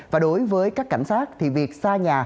và đối với các cảnh sát thì việc xa nhà